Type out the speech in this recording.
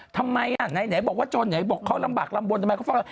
ทำไมไหนบอกว่าจนไหนบอกเขาลำบากลำบวน